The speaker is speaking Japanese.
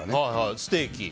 ステーキ。